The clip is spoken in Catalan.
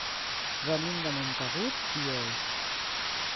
Venim de Montagut i Oix.